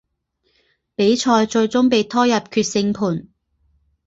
比赛最终被拖入决胜盘。